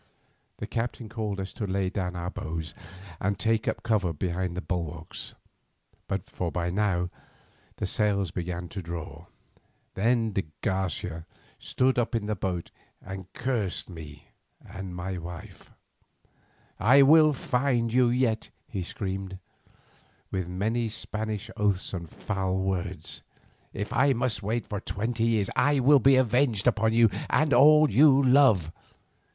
The captain called to us to lay down our bows and take cover behind the bulwarks, for by now the sails began to draw. Then de Garcia stood up in the boat and cursed me and my wife. "'I will find you yet,' he screamed, with many Spanish oaths and foul words. 'If I must wait for twenty years I will be avenged upon you and all you love.